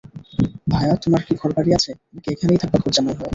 ভায়া, তোমার কি ঘর-বাড়ি আছে, নাকি এখানেই থাকবে, ঘরজামাই হয়ে?